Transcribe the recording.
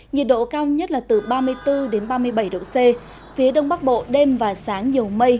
nhiệt độ cao nhất là từ ba mươi bốn ba mươi bảy độ c phía đông bắc bộ đêm và sáng nhiều mây